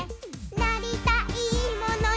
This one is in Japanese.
「なりたいものに」